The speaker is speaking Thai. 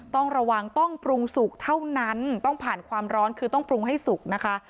ต้องระวังต้องปรุงสุกเท่านั้นต้องผ่านความร้อนคือต้องปรุงให้สุกนะคะ